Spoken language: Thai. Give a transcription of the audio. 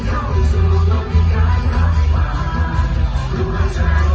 และกลายจอดโอ้โอ้โอ้โอ้ย